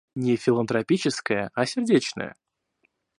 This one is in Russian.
Не филантропическое, а сердечное.